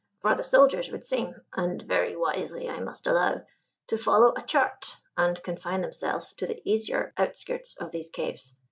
For the soldiers would seem and very wisely, I must allow to follow a chart and confine themselves to the easier outskirts of these caves.